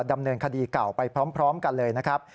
ดำเนินคดีเก่าไปพร้อมกันเลยนะครับ